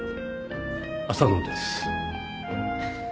浅野です。